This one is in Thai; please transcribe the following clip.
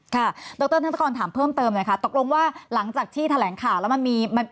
ค่ะดรธถามเพิ่มเติมเลยค่ะตกลงว่าหลังจากที่แถลงข่าวแล้วมันมี